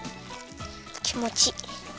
きもちいい。